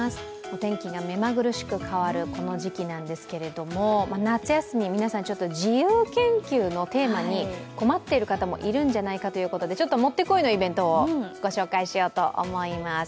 お天気が目まぐるしく変わるこの時期なんですが夏休み、皆さん、自由研究のテーマに困ってる方もいらっしゃるのではと思いましてもってこいのイベントをご紹介しようと思います。